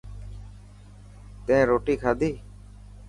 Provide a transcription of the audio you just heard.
تين روتي کاڌي.